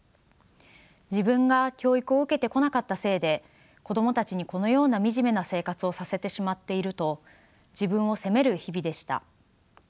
自分が教育を受けてこなかったせいで子供たちにこのような惨めな生活をさせてしまっていると自分を責める日々でした。